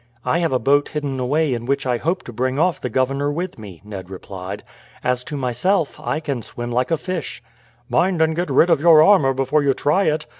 "I have a boat hidden away in which I hope to bring off the governor with me," Ned replied. "As to myself, I can swim like a fish." "Mind and get rid of your armour before you try it.